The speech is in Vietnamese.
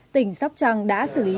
tỉnh sóc trăng đã xử lý